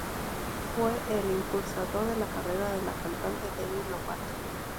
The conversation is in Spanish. Fue el impulsor de la carrera de la cantante Demi Lovato.